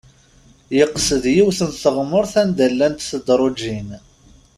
Yeqsed yiwet n teɣmert anda llant tedruǧin.